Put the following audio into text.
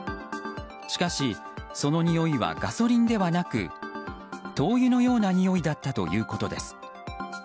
しかし、そのにおいはガソリンではなく灯油のようなにおいだったということです。